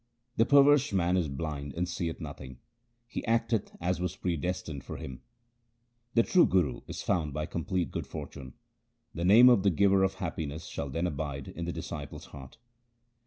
The perverse man is blind and seeth nothing ; he acteth as was predestined for him. The true Guru is found by complete good fortune ; the Name of the giver of happiness shall then abide in the disciple's heart.